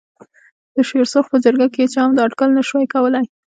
د شېر سرخ په جرګه کې هېچا هم دا اټکل نه شوای کولای.